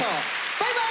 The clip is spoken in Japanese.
バイバイ！